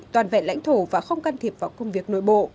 toàn vẹn lãnh thổ và không can thiệp vào công việc nội bộ